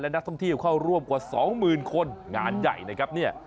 และท่องที่เข้าร่วมกับ๔๐๐๐๐คนงานใหญ่